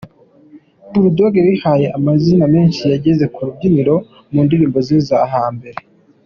Bull Dog wihaye amazina menshi yageze ku rubyiniro mu ndirimbo ze zo hambere.